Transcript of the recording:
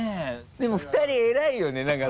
でも２人偉いよね。